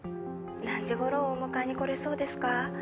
☎何時頃お迎えに来れそうですか？